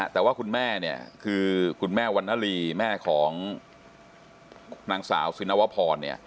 แต่ว่าคุณแม่เนี่ยคือคุณแม่วันนาลีแม่ของนางสาวสินวพร